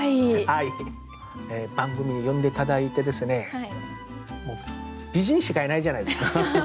番組呼んで頂いてですねもう美人しかいないじゃないですか。